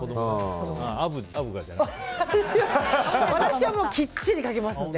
私はきっちり書きますんで。